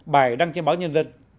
bài đăng trên báo nhân dân